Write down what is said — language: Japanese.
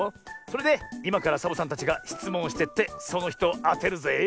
それでいまからサボさんたちがしつもんをしてってそのひとをあてるぜ。